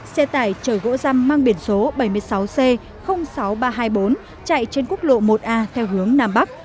xe tải chở gỗ răm mang biển số bảy mươi sáu c sáu nghìn ba trăm hai mươi bốn chạy trên quốc lộ một a theo hướng nam bắc